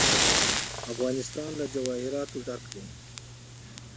افغانستان له جواهرات ډک دی.